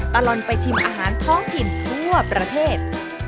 ตลอดไปชิมอาหารท้องถิ่นทั่วประเทศ